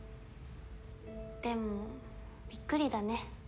でもびっくりだね。